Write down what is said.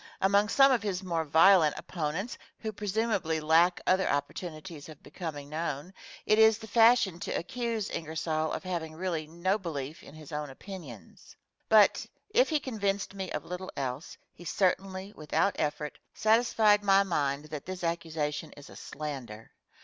Among some of his more violent opponents, who presumably lack other opportunities of becoming known, it is the fashion to accuse Ingersoll of having really no belief in his own opinions. But, if he convinced me of little else, he certainly, without effort, satisfied my mind that this accusation is a slander.